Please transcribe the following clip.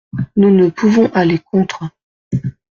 Nous ne pouvons aller contre.